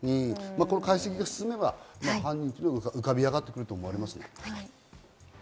解析が進めば犯人が浮かび上がってくると思われますね。